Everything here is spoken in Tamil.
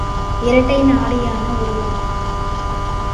இரட்டை நாடியான உருவம்.